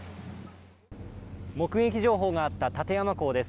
目撃情報があった館山港です。